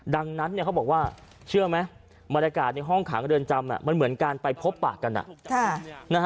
ดังนั้นเขาบอกว่าเชื่อไหมบรรยากาศในห้องขังเรือนจำมันเหมือนการไปพบปากกัน